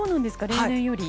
例年より。